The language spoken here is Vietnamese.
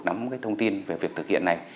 nắm cái thông tin về việc thực hiện này